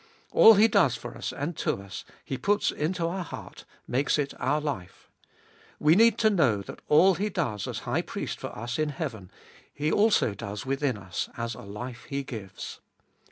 All He does for us and to us. He puts into our heart, makes It our life. We need to know that all He does as High Priest for us in heaven. He also does within us as a life He gives.